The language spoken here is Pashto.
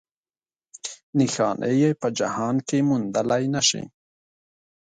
نښانې یې په جهان کې موندلی نه شي.